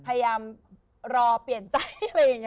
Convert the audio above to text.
พยายามรอเปลี่ยนใจ